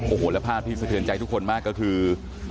โอ้โหและภาพที่สะเทือนใจทุกคนมากก็คือ